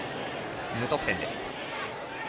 無得点です。